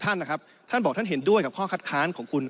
ท่านนะครับท่านบอกท่านเห็นด้วยกับข้อคัดค้านของคุณ